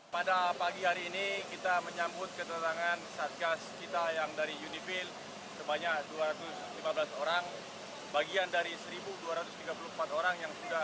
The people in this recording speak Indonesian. pada pagi hari ini kita menyambut ketentangan satgas kita yang dari unifil